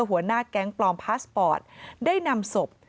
หัวหน้าแก๊งปลอมพาสปอร์ตได้นำศพ